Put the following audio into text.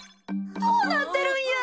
どうなってるんや？